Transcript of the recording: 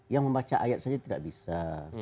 yang membaca ayat saja tidak bisa